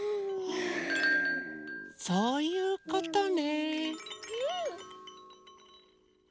そういうことね。